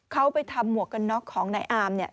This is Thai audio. เขาไปทำหมวกกันน็อกของนายอามเนี่ย